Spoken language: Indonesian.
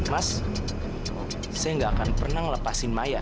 mas saya nggak akan pernah melepaskan maya